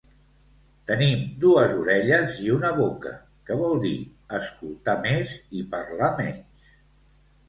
Tenim dues orelles i una boca que vol dir escoltar més i parlar meyns